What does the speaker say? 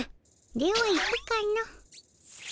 では行くかの。